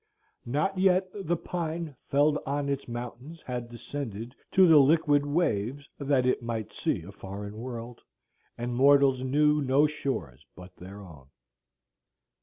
Not yet the pine felled on its mountains had descended To the liquid waves that it might see a foreign world, And mortals knew no shores but their own.